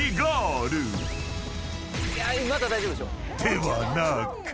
［ではなく］